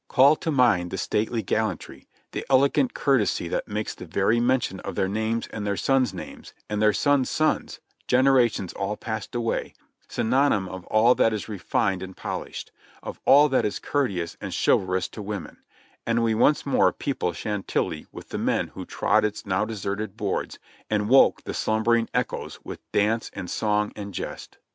Call to mind the stately gallantry, the elegant courtesy that makes the very mention of their names and their son's names, and their son's sons (generations all passed away) synonym of all that is refined and polished, of all that is courteous and chivalrous to women, and we once more people Chantilly with the men who trod its now deserted boards, and woke the slumbering echoes with dance and song and jest.